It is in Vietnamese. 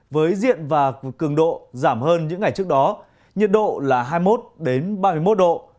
với diện và cường độ giảm hơn những ngày trước đó nhiệt độ là hai mươi một ba mươi một độ